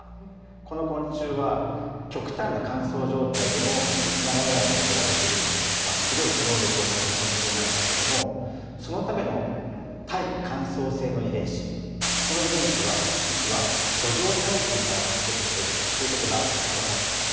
この昆虫は極端な乾燥状態でも生き長らえることができるすごい能力を持った昆虫なんですけどもそのための耐乾燥性の遺伝子この遺伝子は実は土壌細菌から獲得してるということが分かったんですね。